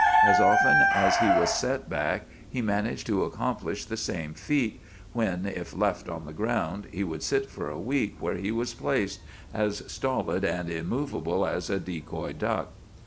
As often as he was set back he managed to accomplish the same feat, when if left on the ground he would sit for a week where he was placed, as stolid and immovable as a decoy duck.